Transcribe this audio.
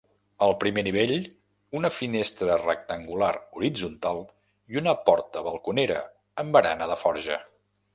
Al primer nivell una finestra rectangular horitzontal i una porta balconera amb barana de forja.